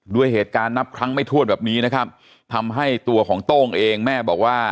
ด้วยเหตุการณ์นับครั้งไม่ทวดแบบนี้นะครับทำให้ตัวของโต้งเองแม่บอกว่า